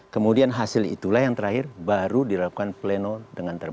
kemudian hasil itulah yang terakhir baru dilakukan pleno dengan terbuka